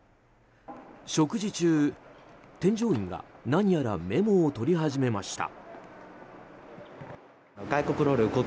食事中、添乗員が何やらメモを取り始めました。